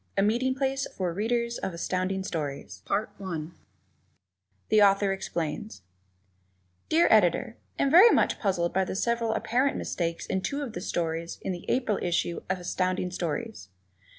A Meeting Place for Readers of Astounding Stories [Illustration: The Readers' Corner] The Author Explains Dear Editor: Am very much puzzled by the several apparent mistakes in two of the stories in the April issue of Astounding Stories.